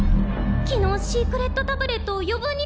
昨日シークレットタブレットを余分に食べたせいだ！